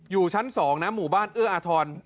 อยู่ชั้น๒นะหมู่บ้านเอื้ออาทร